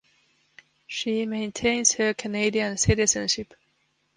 She maintains her Canadian citizenship.